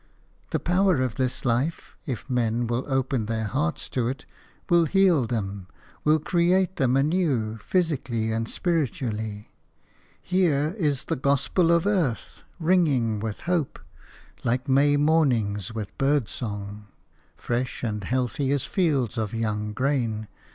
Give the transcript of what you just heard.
The power of this life, if men will open their hearts to it, will heal them, will create them anew, physically and spiritually. Here is the gospel of earth, ringing with hope, like May mornings with bird song, fresh and healthy as fields of young grain.